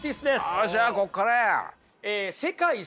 よっしゃこっからや！